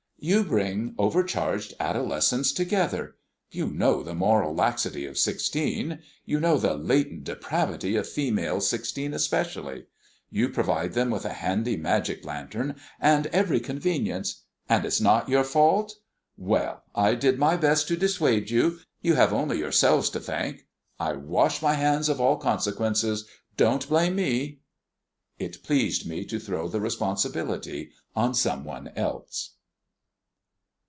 You bring overcharged adolescence together you know the moral laxity of sixteen you know the latent depravity of female sixteen especially you provide them with a handy magic lantern and every convenience and it's not your fault! Well, I did my best to dissuade you; you have only yourselves to thank. I wash my hands of all consequences. Don't blame me." It pleased me to throw the responsibility on someone else.